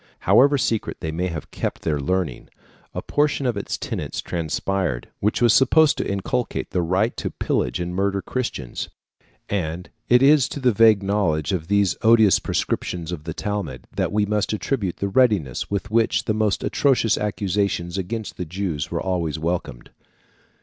However secret they may have kept their learning, a portion of its tenets transpired, which was supposed to inculcate the right to pillage and murder Christians; and it is to the vague knowledge of these odious prescriptions of the Talmud that we must attribute the readiness with which the most atrocious accusations against the Jews were always welcomed.